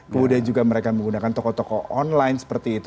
kemudian juga mereka menggunakan toko toko online seperti itu